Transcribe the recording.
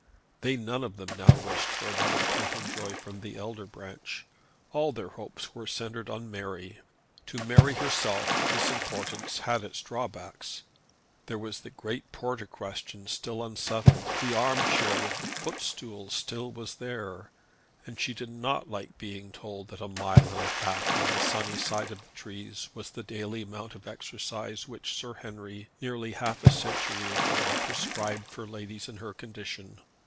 They none of them now wished for another Popenjoy from the elder branch. All their hopes were centred in Mary. To Mary herself this importance had its drawbacks. There was the great porter question still unsettled. The arm chair with the footstool still was there. And she did not like being told that a mile and a half on the sunny side of the trees was the daily amount of exercise which Sir Henry, nearly half a century ago, had prescribed for ladies in her condition.